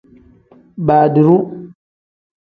Baadiru.